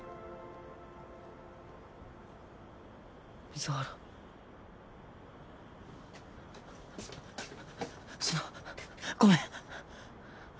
水原そのごめん